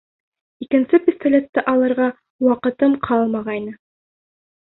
Икенсе пистолетты алырға ваҡытым ҡалмағайны.